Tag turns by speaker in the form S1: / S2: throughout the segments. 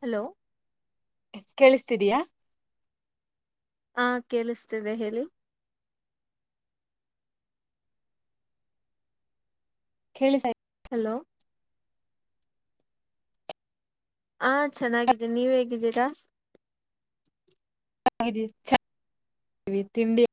S1: Hello
S2: ಕೇಳಿಸ್ತಿದೀಯಾ
S1: ಹ ಕೇಳಿಸ್ತೇವೆ ಹೇಳಿ
S2: ಕೇಳಿ ಸಾಯ
S1: ಹಲೋ ಹಾ ಚೆನ್ನಾಗಿದ್ದೀಿ ನೀವ್ ಹೇಗಿದ್ದೀರಾ
S2: ವಿ ತಿಂಡಿ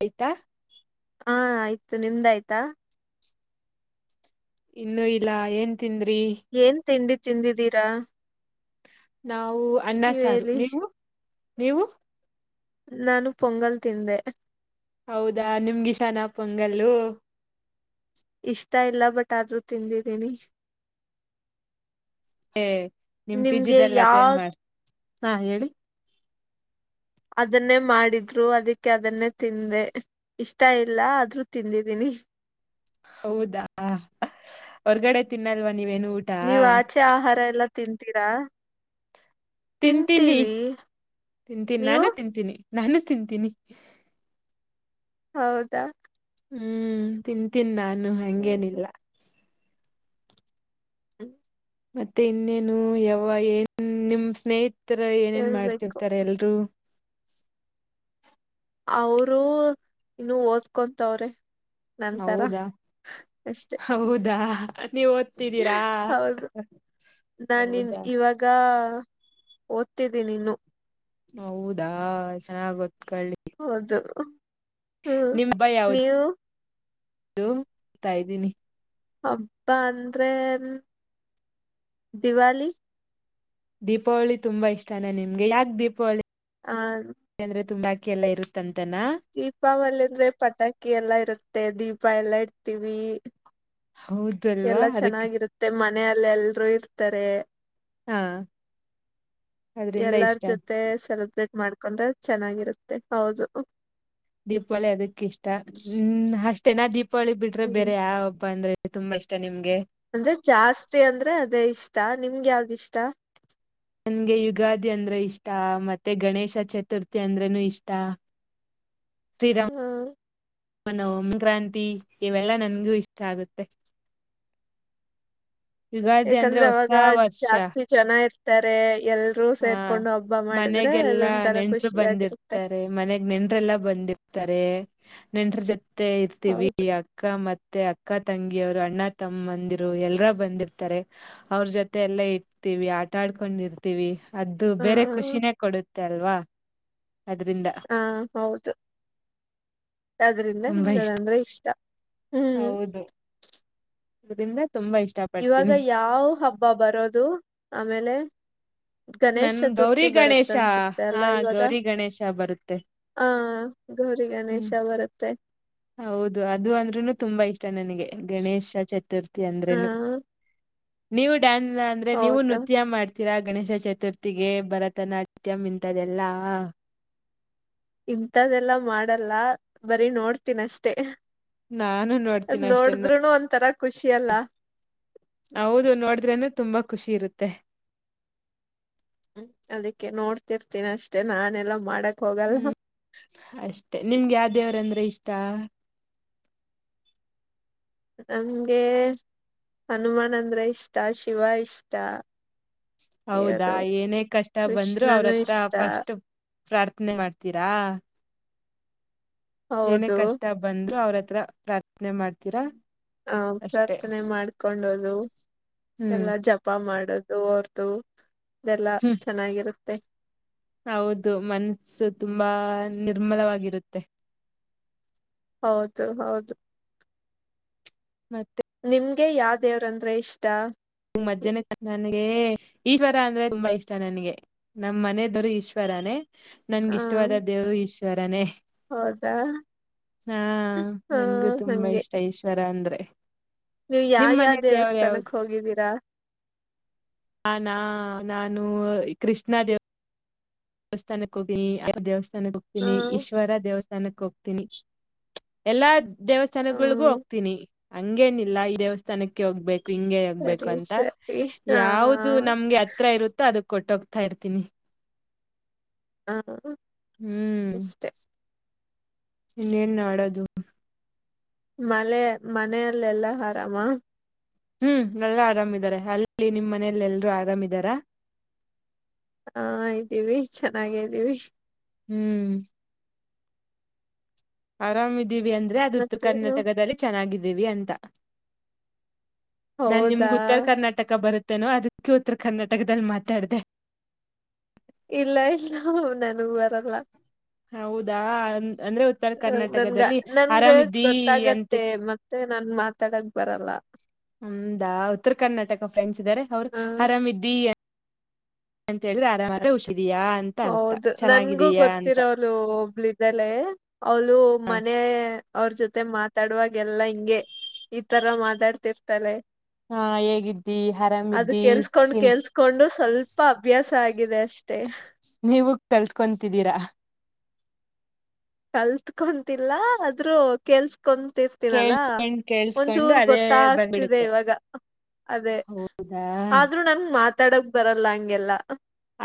S2: ಆಯ್ತಾ
S1: ಹಾ ಆಯ್ತು ನಿಮ್ದ ಆಯ್ತಾ
S2: ಇನ್ನುೂ ಇಲ್ಲ ಎಏನ್ ತಿಂದ್ರಿ
S1: ಚಿಂದಿದ್ದೀರಾ
S2: ನಾ ಹವು ಅಣ್ಣ ಸಾರು ನೀವು ನೀವು
S1: ನಾನು ಪೊಂಗಲ್ ತಿಂದೆ.
S2: ಹೌದಾ ನಿಗಿಷ್ಟನಾ ಪೊಂಗಲ್ಲು.
S1: ಇಷ್ಟ ಇಲ್ಲ ಬಟ್ ಆದ್ರೂ ತಿಂದಿದ್ದೀನಿ.
S2: ಹೇ.
S1: ನಿಮ್ಗೆ ಯಾವ.
S2: ಹಾ ಹೇಳಿ.
S1: ಅದನ್ನೇ ಮಾಡಿದ್ರು ಅದಕ್ಕೆ ಅದನ್ನೇ ತಿಂದೆ ಇಷ್ಟ ಇಲ್ಲ ಆದ್ರೂ ತಿಂದಿದ್ದೀನಿ.
S2: ಹೌದಾ ಹೊರ್ಗಡೆ ತಿನ್ನಲ್ವ.
S1: ನೀವು್ ಆಚೆ ಆಹಾರ ಎಲ್ಲಾ ತಿಂತೀರಾ.
S2: ತಿಂತೀನಿ
S1: ತಿಂತೀವಿ
S2: ತಿಂತೀನಿ
S1: ನೀವು
S2: ನಾನು ತಿಂತೀನಿ. ನಾನು ತಿಂತೀನಿ.
S1: ಹೌದಾ.
S2: ಹ್ಮ್ ತಿಂತೀನ್ ನಾನು. ಇನ್ನು ಹಂಗೇನಿಲ್ಲ.
S1: ಹ್ಮ್ ಹ್ಮ.
S2: ಮತ್ತೆ ಇನ್ನೇನು ಯಾವ್ವ ಏನ್ ನಿಮ್ ಸ್ನೇಹಿತ್ತ್. ಸ್ನೇಹಿತರು ಏನೇನ್
S1: ಹೇಳ್ಬೇಕು
S2: ಮಾಡ್ತಿರ್ತಾರೆ ಎಲ್ರು.
S1: ಅವರೂ ಇನ್ನು ಓದ್ಕೊಂತವ್ರೆ. ನಂತರ
S2: ಹೌದಾ
S1: ಅಷ್ಟೆ
S2: ಹೌದಾ. ನೀವ್ ಓದ್ತಿದ್ದೀರಾ
S1: ಹೌದು ನಾನಿನ್
S2: ಹೌದಾ
S1: ಇವಾಗ. ಓದುತಿದೀನಿ ಇನ್ನು.
S2: ಹೌದಾ ಚೆನ್ನಾಗೊತ್ತ್.
S1: ಹೌದು. ಹ್ಮ್
S2: ನಿಮ್ಹಬ್ಬ ಯಾವುದು.
S1: ನೀವು
S2: ಅದು ತ ಇದ್ದೀನಿ.
S1: ಹಬ್ಬ ಅಂದ್ರೆ ದಿವಾಲಿ.
S2: ದೀಪಾವಳಿ ತುಂಬಾ ಇಷ್ಟಾನ ನಿಮ್ಗೆ ಯಾಕ ದೀಪಾವಳಿ.
S1: ಆ
S2: ಯಾಕಂದ್ರೆ ತುಂಡಾಗಿ. ಎಲ್ಲ ಇರುತ್ತಂತನ.
S1: ದೀಪಾವಳಿ ಅಂದ್ರೆ ಪಟಾಕಿ ಎಲ್ಲಾ ಇರುತ್ತೆ ದೀಪ ಎಲ್ಲಾ ಇಡ್ತೀವಿ.
S2: ಹೌದು ಅಲ್ವಾ
S1: ಎಲ್ಲ
S2: ಅದಕ್ಕೆ
S1: ಚೆನ್ನಾಗಿರುತ್ತೆ ಮನೆಯಲ್ಲಿ ಎಲ್ರೂ ಇರ್. ಇರ್ತಾರೆ.
S2: ಹಾ. ಅದ್ರಿಂದ
S1: ಎಲ್ಲಾರ
S2: ಇಷ್ಟ
S1: ಜೊತೆ ಸೆಲೆಬ್ರೇಟ್. ಮಾಡ್ಕೊಂಡ್ರೆ ಚೆನ್ನಾಗಿರುತ್ತೆ ಹೌದು.
S2: ದೀಪಾವಳಿ ಅದಕ್ಕ ಇಷ್ಟ ಹ್ಮ್ ಅಷ್ಟೇನಾ ದೀಪ್. ದೀಪಾವಳಿ ಬಿಟ್ರೆ
S1: ಹ್ಮ್
S2: ಬೇರೆ ಯಾವ ಹಬ್ಬ ಅಂದ್ರೆ. ತುಂಬಾ ಇಷ್ಟ ನಿಮ್ಗೆ
S1: ಅಂದ್ರೆ ಜಾಸ್ತಿ ಅಂದ್ರೆ ಅದೇ ಇಷ್ಟ ನಿಮ್ಗೆ ಯಾವ್ದ್ ಇಷ್ಟ
S2: ನನ್ಗೆ ಯುಗಾದಿ ಅಂದ್ರೆ ಇಷ್ಟಾ ಮತ್ತೆ ಗಣೇಶ ಚತುರ್ಥಿ ಅಂದ್ರೇನು ಇಷ್ಟಾ
S1: ಹ್ಮ
S2: [unintelligible] ನ ಸಂಕ್ರಾಂತಿ ಇವೆಲ್ಲಾ ನನ್ಗೂ ಇಷ್ಟಾ ಆಗುತ್ತೆ ಯುಗಾದಿ ಅಂದ್ರೆ
S1: ಯಾಕಂದ್ರೆ
S2: ಹೊಸ
S1: ಅವಾಗ
S2: ವರ್ಷ
S1: ಜಾಸ್ತಿ ಜನಾ ಇರ್ತ ಇರ್ತಾರೆ ಎಲ್ರೂ
S2: ಹಾ
S1: ಸೇರ್ಕೊಂಡು ಹಬ್ಬ ಮಾಡಿದ್ರೆ
S2: ಮನೆಗೆಲ್ಲಾ
S1: ಅದೊಂಥರ
S2: ನೆಂಡರು
S1: ಖುಷಿಯಾಗಿರುತ್ತೆ
S2: ಬಂದಿರ್ತಾರೆ ಮನೆಗ್ ನೆಂಟ್ರೆಲ್ಲಾ ಬಂದಿರ್ತಾರೆ ನೆಂಟರ ಜೊತೆ ಮತ್ತೆ ಇರ್ತೀವಿ
S1: ಹೌದು
S2: ಅಕ್ಕ ಮತ್ತೆ ಅಕ್ಕ ತಂಗಿ ಅವರು ಅಣ್ಣ ತಮ್ಮ ಮಂದಿರು ಎಲ್ಲರ ಬಂದಿರ್ತಾರೆ ಅವ್ರ ಜೊತೆ ಎಲ್ಲಾ ಇಡ್ತೀವಿ ಆಟ ಆಡ್ಕೊಂಡಿರ್ ತ್ತಿವಿ ಅದ್ದು
S1: ಆ
S2: ಬೇರೆ ಖುಷಿನೇ ಕೊಡುತ್ತೆ ತಲ್ವಾ
S1: ಹ ಹೌದು ಅದ್ರಿಂದ ನಿಮ್ಗೆದಂದ್ರೆ ಇಷ್ಟ ಹ್ಮ್
S2: ಹೌದು [unintelligible]
S1: ಇವಾಗ
S2: ಪಡ್ತೀನಿ
S1: ಯಾವ್ ಹಬ್ಬಾ ಬರೋದು ಆಮೇಲೆ ಗಣೇಶ್
S2: ನನ್ ಗೌರಿ
S1: ಚತುರ್ಥಿ ಬರುತ್ತ
S2: ಗಣೇಶ
S1: ಅನ್ಸುತ್ತೆ ಅಲ್ಲ
S2: ಹಾ
S1: ಇವಾಗ
S2: ಗೌರಿ ಗಣೇಶ ಬರುತ್ತೆ
S1: ಹ ಗೌರಿ
S2: ಹ್ಮ್
S1: ಗಣೇಶ ಬರುತ್ತೆ
S2: ಹೌದು ಅದು ಅಂದ್ರುನು ತುಂಬಾ ಇಷ್ಟ ಇಷ್ಟಾ ನನಗೆ ಗಣೇಶ ಚತುರ್ಥಿ
S1: ಆ
S2: ಅಂದ್ರೇನು ಮ್ಯೂಟ್ ಟ್ಯಾಂಝ ಅಂದ್ರೆ ನೀವು
S1: ಹೌದು
S2: ನೃತ್ಯ ಮಾಡ್ತೀ ತಿರ ಗಣೇಶ ಚತುರ್ಥಿಗೆ ಭರತನಾಟ್ಯಂ ಇಂಥದೆಲ್ಲಾ
S1: ಇಂತದ್ದೆಲ್ಲ ಮಾಡಲ್ಲ ಬರಿ ನೋಡ್ತೀನ್ ಅಷ್ಟೇ.
S2: ನಾನು
S1: ಅದ್
S2: ನೋಡ್ತೀನಿ ಅಷ್ಟೇ ನೋ-
S1: ನೋಡ್ದ್ರುನು ಒಂತರ ಖುಷಿ ಅಲ್ಲ
S2: ಹೌದು ನೋಡಿದ್ರೇನೇ ತುಂಬಾ ಖುಷಿ ಇರುತ್ತೆ.
S1: ಹ್ಮ್ ಅದಕ್ಕೆ ನೋಡ್ತಿರ್ತೀನಿ ಅಷ್ಟೇ ನಾನೆಲ್ಲಾ ಮಾಡಕ್ ಹೋಗಲ್ಲ
S2: ಹ್ಮ್ ಅಷ್ಟೇ ನಿಮ್ಗ್ ಯಾವ್ ದೇವ್ರಂದ್ರೆ ಇಷ್ಟ್ ಟ
S1: ನಮ್ಗೆ ಹನುಮಾನ್ ಅಂದ್ರೆ ಇಷ್ಟ ಶಿವ ಇಷ್ಟ
S2: ಹೌದಾ
S1: ಯಾರು
S2: ಏನೇ ಕಷ್ಟ ಬಂದ್ರು
S1: ಕೃಷ್ಣನು
S2: ಅವ್ರತ್ರ
S1: ಇಷ್ಟ
S2: ಫಸ್ಟ್ ಪ್ರಾರ್ಥನೆ ಮಾಡ್ತೀರಾ ಏನೇ
S1: ಹೌದು
S2: ಕಷ್ಟ ಬಂದ್ರು ಅವ್ರತ್ ಹತ್ರ ಪ್ರಾರ್ಥನೆ ಮಾಡ್ತೀರಾ
S1: ಹಾ
S2: ಅಷ್ಟೇ
S1: ಪ್ರಾರ್ಥನೆ ಮಾಡ್ಕೊಂಡೋದು
S2: ಹ್ಮ್
S1: ಎಲ್ಲ ಜಪ ಮಾಡೋದು ದು ಅವ್ರ್ದು ಇದೆಲ್ಲಾ
S2: ಹ್ಮ್
S1: ಚೆನ್ನಾಗಿರುತ್ ತ್ತೆ
S2: ಹೌದು ಮನಸು ತುಂಬಾ ನಿರ್ಮಲವಾಗಿರುತ್ತೆ.
S1: ಹೌದು ಹೌದು
S2: ಮತ್
S1: ನಿಮ್ಗೆ ಯಾವ್ ದೇವ್ರಂದ್ರೆ ಇಷ್ಟ
S2: [unintelligible] ನನಗೆ ಈಶ್ವರ ಅಂದ್ರೆ ತುಂಬಾ ಇಷ್ಟ ನನಗೆ ನಮ್ ಮನೆದೊರೆ ಈಶ್ವರನೇ ನನ್ಗ್ ಇಷ್ಟವಾದ
S1: ಹ
S2: ದೇವರು ಈಶ್ ಶ್ವರನೇ
S1: ಹೌದಾ
S2: ಹಾ
S1: ಹ
S2: ನನ್ಗೂ ತುಂಬಾ
S1: ಹಂಗೆ
S2: ಇಷ್ಟ ಈಶ್ವರ ಅಂದ್ರೆ.
S1: ನೀವ್
S2: ನಿಮ್
S1: ಯಾವ್
S2: ಮನೆ
S1: ಯಾವ್
S2: ದೇವ್ರು
S1: ದೇವಸ್ಥಾನಕ್ ಹೋಗಿದ್ದೀರಾ
S2: ನಾನಾ ನಾನು ಕೃಷ್ಣ ದೇವ್ ಸ್ಥಾನಕ್ಕೆ ಹೋಗಿನಿ [unintelligible] ಸ್ಥಾನಕ್ಕ್
S1: ಹ
S2: ಹೋಗ್ತೀನಿ ಈಶ್ವರ ದೇವಸ್ ಸ್ಥಾನಕ್ಕೆ ಹೋಗ್ತೀನಿ ಎಲ್ಲಾ
S1: ಹ
S2: ದೇವಸ್ಥಾನಗಳಿಗೂ ಹೋಗ್ತೀನಿ ಹಂಗೇನಿಲ್ಲ ಈ ದೇವಸ್ಥಾನಕ್ಕೆ ಹೋಗ್ಬೇಕ್ ಹಿಂಗೆ ಆಗ್ಬೇಕು
S1: ಸರಿ
S2: ಅಂತ
S1: ಸರಿ
S2: ಯಾವ್ದು
S1: ಹಾ
S2: ನಮ್ಗೆ ಹತ್ರ ಇರುತ್ತೋ ಅದಕ್ ಕೊಟ್ಟೋಗ್ತಾ ಇರ್ತೀನಿ.
S1: [unintelligible]
S2: ಹ್ಮ್
S1: ಅಷ್ಟೆ
S2: ಇನ್ನೇನ್ ಆಡದು
S1: ಮಳೆ ಮನೆಯಲ್ಲೆಲ್ಲಾ ಆರಾಮ
S2: ಹ್ಮ್ ಎಲ್ಲ ಆರಾಮಿದಾರೆ ಅಲ್ಲಿ ನಿಮ್ ಮನೇಲ್ಲಲ್ರೂ ಆರಾಮಿದಾರ
S1: ಹಾ ಇದ್ದೀವಿ ಚೆನ್ನಾಗ್ದೀವಿ
S2: ಹ್ಮ್ ಆರಾಮ್ದ ಇದವಿ ಅಂದ್ರೆ ಅದು ಉತ್ತರ
S1: ಮತ್ತೇನು
S2: ಕರ್ನಾಟಕದಲ್ಲಿ ಚೆನ್ನಾಗಿದೆ ರಿವಿ ಅಂತ ನಾನ್
S1: ಹೌದಾ
S2: ನಿಮ್ಗ ಉತ್ತರ ಕರ್ನಾಟಕ ಬರುತ್ತೆ ತ್ತೆನೋ ಅದಕ್ಕೆ ಉತ್ತರ ಕರ್ನಾಟಕದಲ್ಲಿ ಮಾತಾಡ್ದ
S1: ಇಲ್ಲ ಇಲ್ಲ ನನಗೂ ಬರಲ್ಲ
S2: ಹೌದಾ ಅಂದ್ರೆ ಉತ್ತರ
S1: ಹ ನನ್ಗ
S2: ಕರ್ನಾಟಕದಲ್ಲಿ
S1: ನನ್ಗ
S2: ಆರಾಮಿದ್ದೀ ಅಂತ
S1: ಗೊತ್ತಾಗತ್ತೆ ಮತ್ತೆ ನನ್ ಮಾತಾಡ ಬರಲ್ಲ
S2: ಹಂದಾ ಉತ್ತರ ಕರ್ನಾಟಕ ಫ್ರೆಂಡ್ಸ್ ಇದ್ದಾರೆ ಅವ್ರು
S1: ಹ
S2: ಆರಾಮಿದ್ದಿ ಎಂತ ಹೇಳಿದ್ರೆ ಆರಾಮ ಆದ ಹುಷಿ
S1: ಹೌದು ನನ್ಗೂ
S2: ಅಂತ.
S1: ಗೊತ್ತಿರೋ ಅವ್ಳ ಒಬ್ಳಿದ್ದಲೆೇ ಅವಳ ಮನೆ ಅವ್ರ ಜೊತೆ ಮಾತ ತಡುವಾಗೆಲ್ಲಾ ಹಿಂಗೆ ಈ ತರ ಮಾತಾಡ್ತಿರ್ತಾರೆ
S2: ಹಾ ಹೇಗಿದ್ದಿ
S1: ಅದು
S2: ಆರಾಮಿದ್ದಿ
S1: ಕೆಲ್ಸ್ಕೊಂಡ್
S2: ತಿನ್
S1: ಕೆಲ್ಸ್ಕೊಂಡು ಸ್ವಲ್ಪ ಅಭ್ಯಾಸ ಆಗಿದೆ ಅಷ್ಟೆ
S2: ನೀವು ಕಲ್ತ್ಕೊಂತಿದ್ದೀರಾ
S1: ಕಲ್ತ್ಕೊಂತಿಲ್ಲ ಆದ್ರೂ ಕೆಲ್ಸ ಕುಂತಿರ್ತಿನಲ್ಲ
S2: ಕೇಳ್ಸ್ಕೊಂಡ್ ಕೇಳ್ಸ್ಕೊಂಡು
S1: ಒಂಚೂರ್
S2: ಅದೇ
S1: ಗೊತ್ತಾಗ್ತಿದೆ
S2: ಬಂದ್ಬಿಡುತ್ತೆ
S1: ಇವಾಗ ಅದೇ
S2: ಹೌದಾ
S1: ಆದ್ರೂ ನನ್ ಮಾತ ತಡಕ್ ಬರಲ್ಲ ಹಂಗೆಲ್ಲ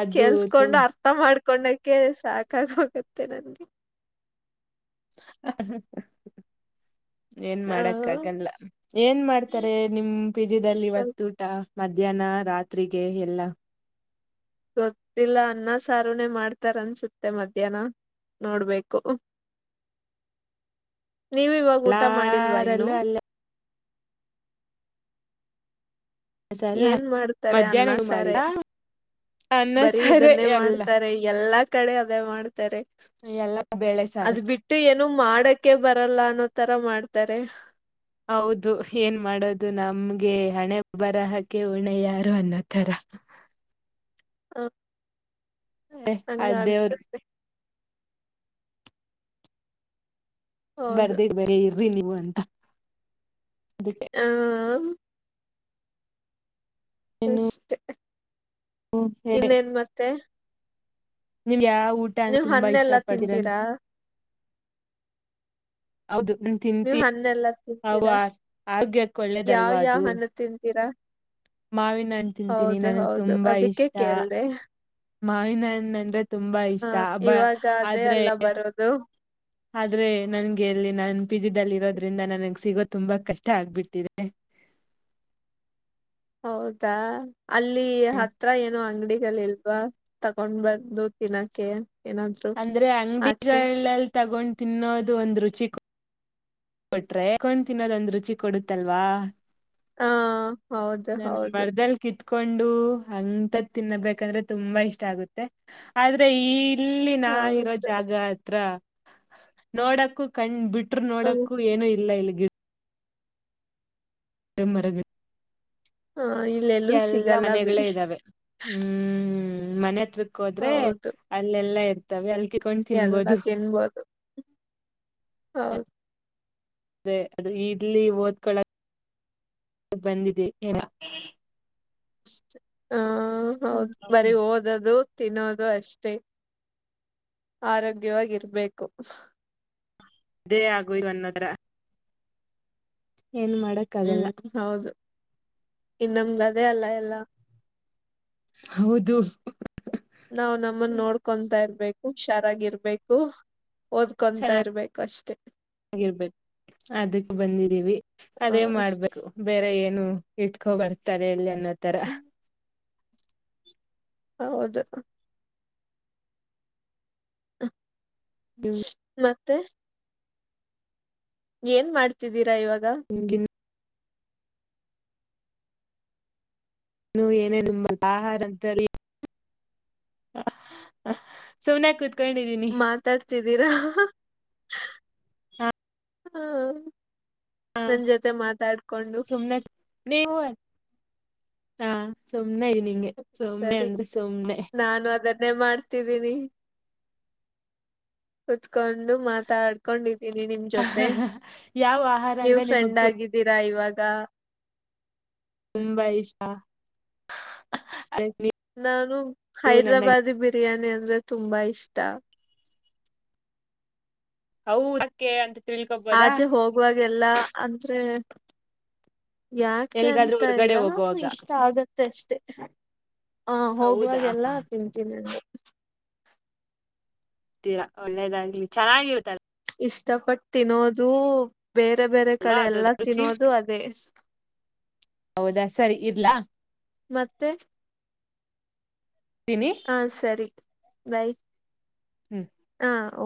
S2: ಅದು
S1: ಕೆಲ್ಸ್ಕೊಂಡು
S2: ತುಮ್
S1: ಅರ್ಥ ಮಾಡ್ಕ ಕಕೊಂಡಕ ಸಾಕಾಗ ಹೋಗುತ್ತೆ ನನ್ಗೆ
S2: ಹ ಹ ಏನ್
S1: ಹ
S2: ಮಾಡಕ್ಕ ಆಗಲ್ಲ ಏನ್ ಮಾಡ್ತಾರೆ ನಿಮ ಬಿಜದಲ್ಲಿ ಇವತ್ತು ಊಟ ಮಧ್ಯಾಹ್ನ ರಾತ್ರಿಗೆ ಎಲ್ಲ
S1: ಗೊತ್ತಿಲ್ಲ ಅನ್ನ ಸಾರುನೇ ಮಾಡ್ತಾರ ಅನ್ಸುತ್ತೆ ಮಧ್ಯಾಹ್ನ ನೋಡ್ಬೇಕು ನೀವು ಇವಾಗ ಊಟ ಮಾಡಿಲ್ವಾ ಇನ್ನು
S2: ಎಲ್ಲಾರಲ್ಲೂ ಅಲ್ಲ ಸರ್
S1: ಏನ್ ಮಾಡ್ತಾರೆ ಅನ್ನ
S2: ಮಧ್ಯಾಹ್ನ
S1: ಸಾರೆ
S2: ಮಾಡಿದ ಅನ್ನ
S1: ಬರೀ
S2: ಸಾರೆ
S1: ಇದನ್ನೇ
S2: ಎಲ್ಲ
S1: ಮಾಡ್ತಾರೆ ಎಲ್ಲಾ ಕಡೆ ಅದೇ ಮಾಡ್ತಾರೆ
S2: ಎಲ್ಲ ಬೇಳೆ ಸಾರು
S1: ಅದ್ ಬಿಟ್ಟು ಏನ ಮಾಡಕೆ ಬರಲ್ಲ ಅನ್ನೋ ತರ ಮಾಡ್ತಾರೆ
S2: ಹೌದು ಏನ್ ಮಾಡೋದು ನಮ್ಗೆ ಹಣೆ ಬರಹಕೆ ಉಣೆ ಯಾರು ಅನ್ನೋತರ
S1: ಹ ಹಂಗ
S2: ಅದೇವರು
S1: ಆಗ್ತತೆ ಹೌದು
S2: ಬರ್ದಿದ್ ಬರ್ರಿ ನೀವು ಅಂತ ಅದಕ್ಕೆ
S1: ಹ [inaudible]
S2: ಏನು
S1: ಅಷ್ಟ ಇನ್ನೇನ್ ಮತ್ತೆ
S2: ನೀವ ಯಾವ ಊಟ ಅಂದ್ರೆ
S1: ನೀವು್
S2: ತುಂಬಾ ಇಷ್ಟ
S1: ಹಣ್ಣೆಲ್ಲಾ
S2: ಪಡ್ತೀರ
S1: ತಿಂತೀರಾ
S2: ಹೌದು
S1: ನೀವ್
S2: ತಿಂತೀ
S1: ಹಣ್ಣೆಲ್ಲಾ
S2: ಅವ
S1: ತಿಂತೀರಾ
S2: ಆರೋಗ್ಯಕ್ಕೆ
S1: ಯಾವ್
S2: ಒಳ್ಳೇದಲ್ವಾ
S1: ಯಾವ್
S2: ಅದು
S1: ಹಣ್ಣು ತಿಂತೀರಾ
S2: ಮಾವಿನ ಹಣ್ಣು ತಿಂತೀನಿ
S1: ಹೌದು
S2: ನನ್ಗ್
S1: ಹೌದು
S2: ತುಂಬಾ
S1: ಅದಕ್ಕೆ
S2: ಇಷ್ಟ
S1: ಕೇಳ್ದ
S2: ಮಾವಿನ ಹಣ್ಣು ತುಂಬಾ
S1: ಹಾ
S2: ಇಷ್ಟ ಬ
S1: ಇವಾಗ ಅದೇ
S2: ಆದ್ರೆ
S1: ಅಲ್ಲ ಬರೋದು
S2: ಆದ್ರೆ ನನ್ಗೆ ಎಲ್ಲಿ ನನ್ ಪಿಜಿ ಜಲ್ಲಿ ಇರೋದ್ರಿಂದ ನನಗ್ ಸಿಗೋ ತುಂಬಾ ಕಷ್ಟ ಆಗ್ಬಿಟ್ಟಿದೆ
S1: ಹೌದಾ ಅಲ್ಲಿ ಹತ್ರ ಏನು ಅಂಗಡಿ ಲ್ಲಿ ಇಲ್ವಾ ತಗೊಂಡ್ ಬಂದು ತಿಿನಕ್ಕೆೆ
S2: ಅಂದ್ರೆ ಅಂಗಡಿ ತಗೊಂಡ್ ತಿನ್ನೋದು ಒಂದ್ ರುಚಿ ಕೊಟ್ರೆ ತಗೊಂಡ್ ತಿನ್ನೋದ ಒಂದ್ ರುಚಿ ಕೊಡುತ್ತಲ್ವಾ
S1: ಹಾ
S2: ನನ್ಗೆ ಮರ್ದಲ್ ಕಿತ್ ಕಕೊಂಡು ಅಂತದ ತಿನ್ನಬೇಕಂದ್ರೆ ತುಂಬಾ ಇಷ್ಟ ಆಗುತ್ತೆ ಆದ್ರೆ ಈ ಇಲ್ಲಿ ನಾ ಇರೋ
S1: ಹೌದು
S2: ಜಾಗ ಹತ್ರ ನೋಡಕ್ಕೂ ಕಂಡ್ ಬಿಟ್ಟ
S1: ಹ್ಮ
S2: ನೋಡಕು ಏನು ಇಲ್ಲ ಇಲ್ಲಿ ಗಿಫ ಇ ಮರಗ
S1: ಹ ಇಲ್ಲೆಲ್ಲೂ
S2: ಎಲ್ಲಾ
S1: ಸಿಗಲ್ಲ
S2: ಮನೆಗಳೇ
S1: ಬಿಡಿ
S2: ಇದ್ದಾವೆ ಹ್ಮ್ ಮನೆ ಹತ್ರ ಹೋದ್ರೆ
S1: ಹೌದು
S2: ಅಲ್ಲೆಲ್ಲಾ ಇರ್ತ [unintelligible] ಕಿತ್ಕೊಂಡ್ ತಿನ್ಬೋದು
S1: ಹೌ
S2: ಅದೇ ಅದು ಇರ್ಲಿ ಓದ್ಕೊಳ ಬಂದಿದಿವ್ [unintelligible]
S1: [inaudible] ಹ ಹ್ಮ್ ಹೌದು ಬರಿ ಓದದು ತಿನ್ನೋದು ಅಷ್ಟೇ, ಆರೋಗ್ಯವಾಗಿರ್ಬೇಕು
S2: ಅದೇ ಆಗು [unintelligible] ಅನ್ನೋದ್ರ ಏನು ಮಾಡಕ್ ಆಗಲ್ಲ
S1: ಇನ್ನಮ್ದ್ ಅದೆ ಅಲ್ಲ ಎಲ್ಲ
S2: ಹೌದು
S1: ನಾವ್ ನಮ್ಮನ್ ನೋಡ್ಕೊಂತಾ ಇರ್ಬೇಕು ಹುಷಾರಾಗಿರ್ಬೇಕು ಓದ್ಕೊಂತಾ ಇರ್ಬೇಕು ಅಷ್ಟೇ
S2: ಚನ್ನಾಗಿರ್ಬೇಕು ಅದಕ್ ಬಂದಿದೀವಿ,
S1: ಹ
S2: ಅದೇ
S1: ಅಷ್ಟೇ
S2: ಮಾಡ್ಬೇಕು ಬೇರೆ ಏನು ಇಟ್ಕೋಬರ್ [unintelligible] ನ್ನ ತರ
S1: ಹ್ಮ್ ಹೌದು ಹ್
S2: ಹ್ಮ
S1: ತ್ತೆ ಏನ್ ಮಾಡ್ತಿದ್ದೀರಾ ಇವಾಗ್
S2: [unintelligible] ಏನೇ ನಂಬಲ್ ಆಹಾರದಲ್ಲಿ, ಸುಮ್ನೆ ಕುತ್
S1: ಮಾತಾಡ್ತಿದ್ದೀರಾ
S2: ಹಾ
S1: ಹಾ ನನ್ ಜೊತೆ ಮಾತಾಡ್ಕೊಂಡು
S2: ಸುಮ್ನೆ ನೀವು [inaudible] ಹಾ ಸ ಸಮ್ನೆ [unintelligible] ಸುಮ್ನೆ ಅಂದ್ರೆ ಸುಮ್ನೆ
S1: ನ್ನೆ ಮಾಡ್ತಿದ್ದೀನಿ, ಕುತ್ಕೊಂಡು ಮಾತಾಡ್ಕೊಂಡ್ ಇರ್ ದಿನಿ ನಿಮ್ ಜೊತೆ,
S2: ಯಾವ ಆಹಾರ
S1: ನೀವು
S2: ಅಂದ್ರೆ ನಿಮಗ್
S1: ಫ್ರೆಂಡ್ ಆಗಿದ್ದೀರ ಇವಾಗ
S2: ತುಂಬಾ ಇಷ್ಟ, ಆಯ್
S1: ನಾನು ಹೈದ್ರಾಬಾದಿ ಬಿರಿಯಾನಿ ಅಂದ್ರೆ ತುಂಬಾ ಇಷ್ಟ
S2: ಹೌ ದಕ್ಕೆ ಅಂತ ತಿಳ್ಕೊಬೋದಾ
S1: ಆಜೆ ಹೋಗುವಾಗೆಲ್ಲ ಅಂದ್ರೆ ಯಾಕೆ
S2: ಎಲ್ಗಾದ್ರೂ
S1: ಅಂತ ಇಲ್ಲ
S2: ಹೊರ್ಗಡೆ ಹೋಗುವಾಗ
S1: ಇಷ್ಟ ಆಗತ್ತೆ ಅಷ್ಟೆ ಆ
S2: ಹೌದಾ
S1: ಹೋಗುವಾಗೆಲ್ಲ ತಿಂತೀನಿ ಅ
S2: ತಿರಾ ಒಳ್ಳೇದಾಗ್ಲಿ ಚೆನ್ನಾಗಿರ್ತಾರೆ
S1: ಇಷ್ಟಪಟ್ಟು ತಿನ್ನೋದು ಬೇರೆ ಬೇರೆ ಕಡೆ
S2: ಅದ್ರದ್
S1: ಎಲ್ಲಾ
S2: ರುಚಿ.
S1: ತಿನ್ನೋದು ಅದೇ
S2: ಹೌದಾ ಸರಿ ಇರ್ಲಾ
S1: ಮತ್ತೆ
S2: ತಿನಿ ಹ್ಮ್.
S1: ಹಾ ಸರಿ ಬೈ
S2: ಹ್ಮ್
S1: ಹಾ